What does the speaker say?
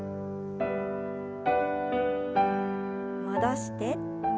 戻して。